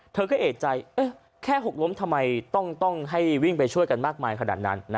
เธอก็เอกใจแค่หกล้มทำไมต้องให้วิ่งไปช่วยกันมากมายขนาดนั้น